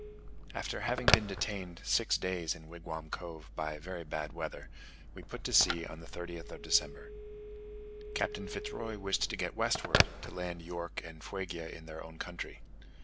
After having been detained six days in Wigwam Cove by very bad weather, we put to sea on the 30th of December. Captain Fitz Roy wished to get westward to land York and Fuegia in their own country.